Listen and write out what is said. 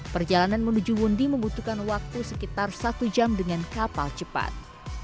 perjalanan menuju wundi membutuhkan waktu sekitar satu jam dengan kapal cepat